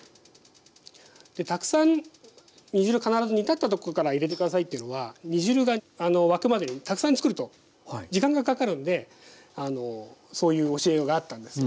たくさん煮汁必ず煮立ったところから入れて下さいというのは煮汁が沸くまでにたくさんつくると時間がかかるんでそういう教えがあったんです。